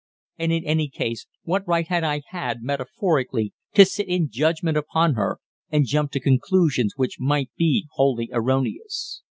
And in any case, what right had I had metaphorically to sit in judgment upon her and jump to conclusions which might be wholly erroneous?